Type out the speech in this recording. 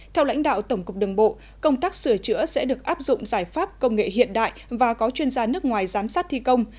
theo lãnh đạo tổng cục đường bộ công tác sửa chữa sẽ được áp dụng giải pháp công nghệ hiện đại và có chuyên gia nước ngoài giám sát thi công